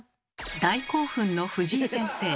大興奮の藤井先生。